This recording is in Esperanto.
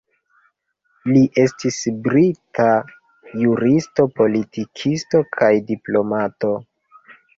Li estis brita juristo, politikisto kaj diplomato.